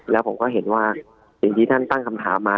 แล้วผมก็เห็นว่าสิ่งที่ท่านตั้งคำถามมา